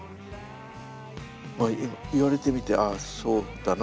まあ今言われてみてああそうだな